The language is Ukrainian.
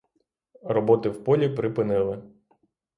Роботи в полі припинили.